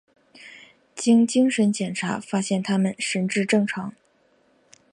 经精神检查发现他们神智正常。